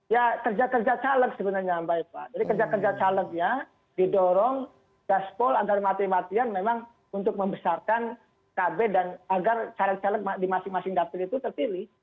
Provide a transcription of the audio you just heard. ya kerja kerja caleg sebenarnya mbak eva jadi kerja kerja calegnya didorong gaspol agar mati matian memang untuk membesarkan kb dan agar caleg caleg di masing masing dapil itu terpilih